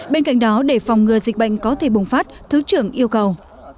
bên cạnh đó để phòng ngừa dịch bệnh có thể bùng phát thứ trưởng yêu cầu